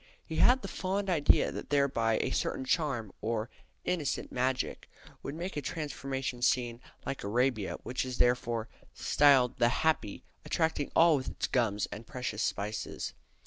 He had the fond idea that thereby a certain charm, "or innocent magick," would make a transformation scene like Arabia, which is therefore "styl'd the Happy, attracting all with its gums and precious spices."